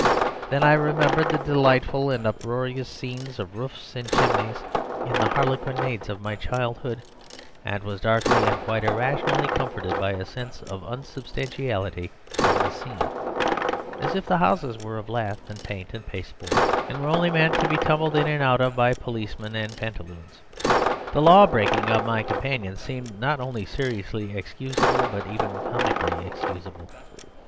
Then I remembered the delightful and uproarious scenes of roofs and chimneys in the harlequinades of my childhood, and was darkly and quite irrationally comforted by a sense of unsubstantiality in the scene, as if the houses were of lath and paint and pasteboard, and were only meant to be tumbled in and out of by policemen and pantaloons. The law breaking of my companion seemed not only seriously excusable, but even comically excusable.